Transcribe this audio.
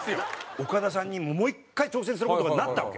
オカダさんにもう１回挑戦する事がなったわけ。